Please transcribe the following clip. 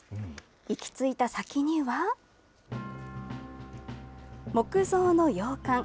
行きついた先には、木造の洋館。